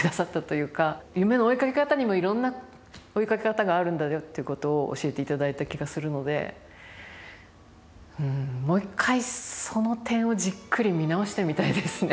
夢の追いかけ方にもいろんな追いかけ方があるんだよっていうことを教えていただいた気がするのでうんもう一回その点をじっくり見直してみたいですね